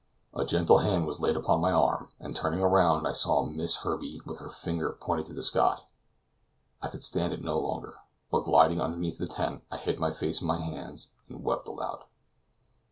A gentle hand was laid upon my arm, and turning round I saw Miss Herbey with her finger pointing to the sky. I could stand it no longer, but gliding underneath the tent I hid my face in my hands and wept aloud.